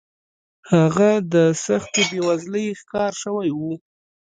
هغه د سختې بېوزلۍ ښکار شوی و.